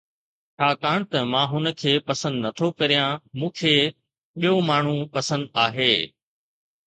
ڇاڪاڻ ته مان هن کي پسند نٿو ڪريان، مون کي ٻيو ماڻهو پسند آهي